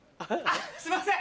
すいません